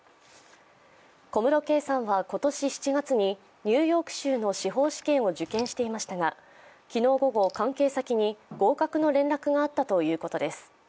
小室圭さんは今年７月にニューヨーク州の司法試験を受験していましたが昨日午後、関係先に合格の連絡があったということです。